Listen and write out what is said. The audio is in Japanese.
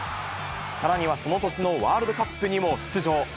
さらにはその年のワールドカップにも出場。